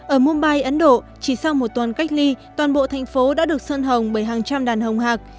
ở mumbai ấn độ chỉ sau một tuần cách ly toàn bộ thành phố đã được sơn hồng bởi hàng trăm đàn hồng hạc